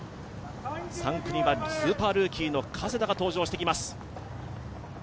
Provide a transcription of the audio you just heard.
３区にはスーパールーキーの加世田が登場してきます。